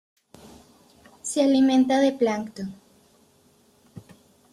Se alimenta de plancton.